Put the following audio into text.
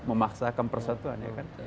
memaksakan persatuan ya kan